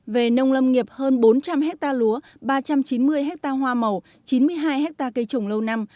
về nông lâm nghiệp hơn bốn trăm linh ha lúa ba trăm chín mươi ha hoa màu chín mươi hai ha cây trồng lâu năm